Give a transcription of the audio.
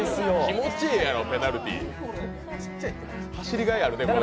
気持ちええやろ、ペナルティー、走りがいあるで、この景色。